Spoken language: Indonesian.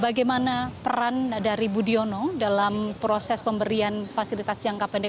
bagaimana peran dari budiono dalam proses pemberian fasilitas jangka pendek